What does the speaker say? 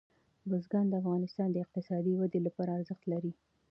بزګان د افغانستان د اقتصادي ودې لپاره ارزښت لري.